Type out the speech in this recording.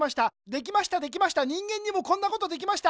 できましたできました人間にもこんなことできました。